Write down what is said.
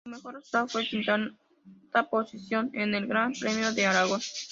Su mejor resultado fue la quinta posición en el Gran Premio de Aragón.